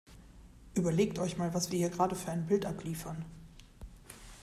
Überlegt euch mal, was wir hier gerade für ein Bild abliefern!